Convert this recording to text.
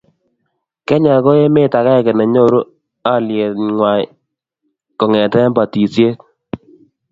Kenya ko emet agenge ne nyoru aliye nwai kongete batishet